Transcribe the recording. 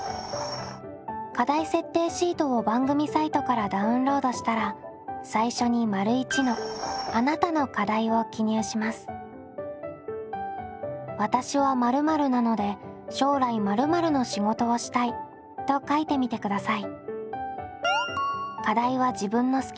課題設定シートを番組サイトからダウンロードしたら最初に「わたしは○○なので将来○○の仕事をしたい」と書いてみてください。